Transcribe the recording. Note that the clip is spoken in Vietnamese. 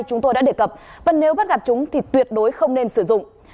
chúng tôi đã đề cập và nếu bắt gặp chúng thì tuyệt đối không nên sử dụng